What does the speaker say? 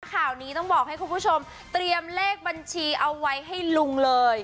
ข่าวนี้ต้องบอกให้คุณผู้ชมเตรียมเลขบัญชีเอาไว้ให้ลุงเลย